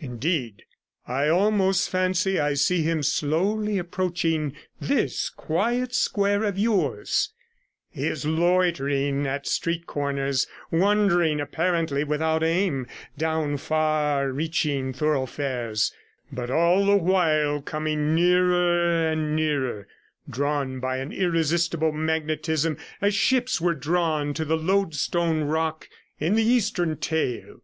Indeed I almost fancy I see him slowly approaching this quiet 13 square of yours; he is loitering at street corners, wandering, apparently without aim, down far reaching thoroughfares, but all the while coming nearer and nearer, drawn by an irresistible magnetism, as ships were drawn to the Loadstone Rock in the Eastern tale.'